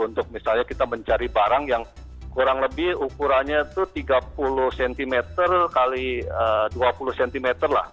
untuk misalnya kita mencari barang yang kurang lebih ukurannya itu tiga puluh cm x dua puluh cm lah